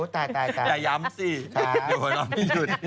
แต่ย้ำสิ